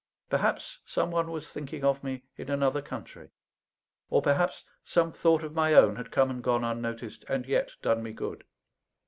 Perhaps some one was thinking of me in another country; or perhaps some thought of my own had come and gone unnoticed, and yet done me good.